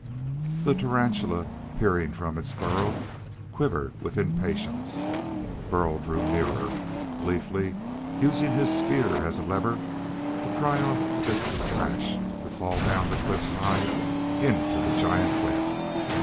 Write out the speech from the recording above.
The tarantula, peering from its burrow, quivered with impatience. Burl drew nearer, gleefully using his spear as a lever to pry off bits of trash to fall down the cliffside into the giant web.